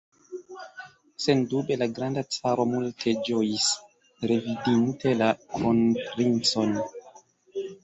Sendube la granda caro multe ĝojis, revidinte la kronprincon?